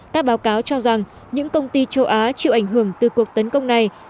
các báo cáo cho rằng những công ty châu á chịu ảnh hưởng từ cuộc tấn công này